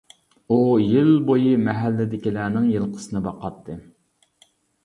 ئۇ يىل بويى مەھەللىدىكىلەرنىڭ يىلقىسىنى باقاتتى.